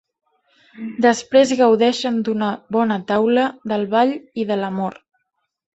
Després gaudeixen d’una bona taula, del ball i de l'amor.